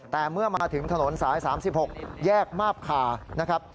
แต่เมื่อมาถึงถนนสาย๓๖แยกมาบคานะครับ